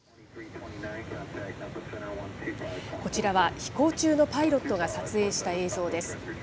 こちらは飛行中のパイロットが撮影した映像です。